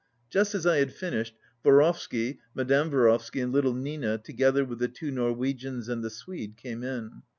Just as I had finished, Vorovsky, Madame Vorovsky and little Nina, together with the two Norwegians and the Swede, came in.